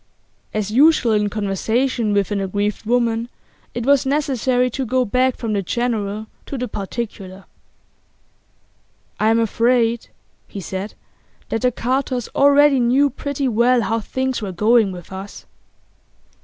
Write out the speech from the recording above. As usual in conversation with an aggrieved woman it was necessary to go back from the general to the particular. 'I'm afraid,' he said, 'that the Carters already knew pretty well how things were going with us.